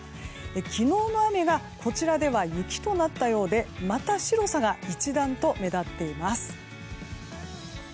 昨日の雨がこちらでは雪となったようでまた白さが一段と目立っています。